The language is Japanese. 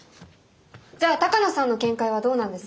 じゃあ鷹野さんの見解はどうなんです？